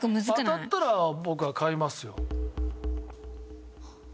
当たったら僕は買いますよ。